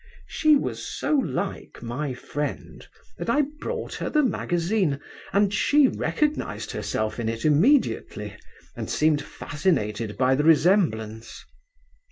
She was so like my friend that I brought her the magazine, and she recognised herself in it immediately, and seemed fascinated by the resemblance.